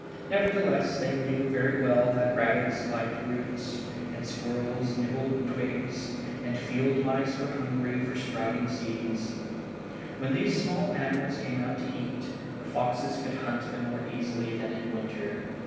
Nevertheless they knew very well that rabbits liked roots, and squirrels nibbled twigs, and field mice were hungry for the sprouting seeds. When these small animals came out to eat, the foxes could hunt them more easily than in winter.